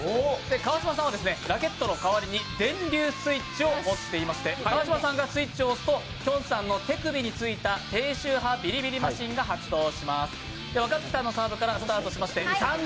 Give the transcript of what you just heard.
川島さんはラケットの代わりに電流スイッチを持っていまして、川島さんがスイッチを押すときょんさんの手首に着いた低周波ビリビリマシンが発動します。